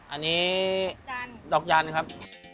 อันนี้ดอกยันครับ